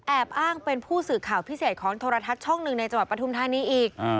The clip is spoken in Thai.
อ้างเป็นผู้สื่อข่าวพิเศษของโทรทัศน์ช่องหนึ่งในจังหวัดปทุมธานีอีก